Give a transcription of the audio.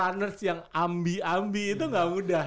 para runner yang ambi ambi itu gak mudah